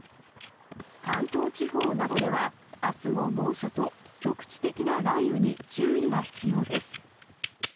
関東地方などでは、あすも猛暑と、局地的な雷雨に注意が必要です。